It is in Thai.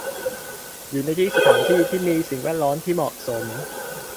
อยู่ในสถานที่ที่มีสิ่งแวดล้อมที่เหมาะสม